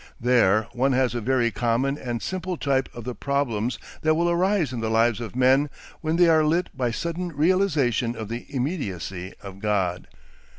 There one has a very common and simple type of the problems that will arise in the lives of men when they are lit by sudden realisation of the immediacy of God.